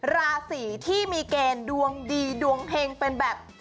ราศีที่มีเกณฑ์ดวงดีดวงเฮงเป็นแบบ